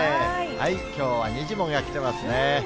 きょうはにじモが来ていますね。